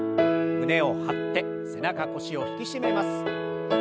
胸を張って背中腰を引き締めます。